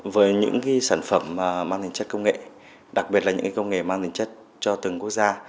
với những sản phẩm mang tính chất công nghệ đặc biệt là những công nghệ mang tính chất cho từng quốc gia